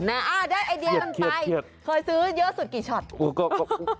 อ่ะได้ไอเดียมไปเคยซื้อเยอะสุดกี่ช็อตคะก็ก็ก็